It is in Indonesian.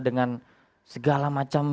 dengan segala macam